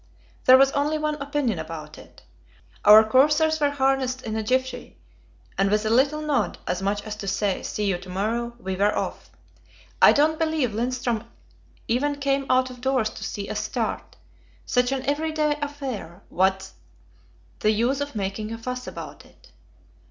There was only one opinion about it. Our coursers were harnessed in a jiffy, and with a little nod as much as to say, "See you to morrow" we were off. I don't believe Lindström even came out of doors to see us start. "Such an everyday affair: what's the use of making a fuss about it?"